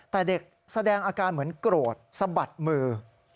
แต่เด็กแสดงอาการเหมือนโกรธสะบัดมือ